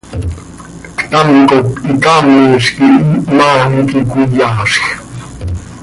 Ctam cop icaamiz quih ihmaa iiqui cöiyaazj.